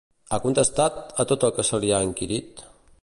Ha contestat a tot el que se li ha inquirit?